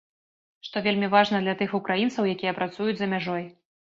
Што вельмі важна для тых украінцаў, якія працуюць за мяжой.